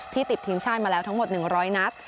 ที่ติดทีมชาติมาแล้วทั้งหมดหนึ่งร้อยนัด